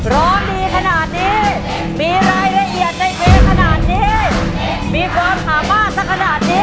ร้องดีขนาดนี้มีรายละเอียดในเพลงขนาดนี้